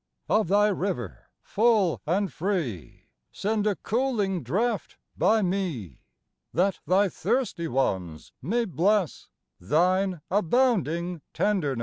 Of Thy river, full and free, Send a cooling draught by me, That Thy thirsty ones may bless Thine abounding tenderness.